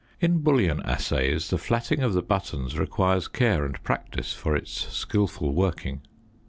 In bullion assays the flatting of the buttons requires care and practice for its skilful working.